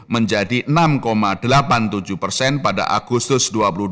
menjadi enam delapan puluh tujuh persen pada agustus dua ribu dua puluh